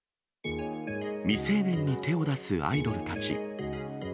未成年に手を出すアイドルたち。